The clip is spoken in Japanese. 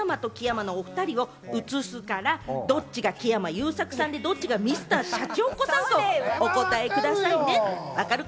今から別室にいる木山と木山のお２人を映すから、どっちが木山裕策さんで、どっちがＭｒ．シャチホコさんかをお答えくださいね！